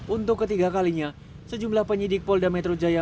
untuk ketiga kalinya sejumlah penyidik polda metro jaya